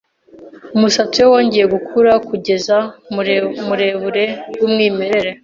Umusatsi we wongeye gukura kugeza muburebure bwumwimerere.